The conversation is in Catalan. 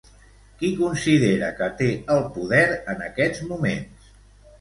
Qui considera que té el poder en aquests moments?